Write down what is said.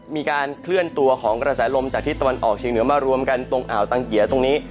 มีการเคลื่อนตัวของกระแสลมจากทิศตะวันออกเชียงเหนือมารวมกันตรงอ่าวตังเกียร์ตรงนี้